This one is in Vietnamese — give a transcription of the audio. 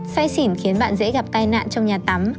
say xỉn khiến bạn dễ gặp tai nạn trong nhà tắm